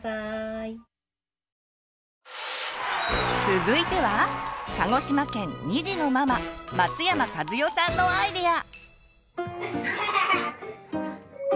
続いては鹿児島県２児のママ松山和代さんのアイデア！